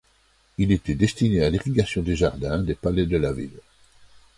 Il était destiné à l'irrigation des jardins des palais de la ville.